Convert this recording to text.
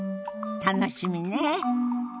楽しみね。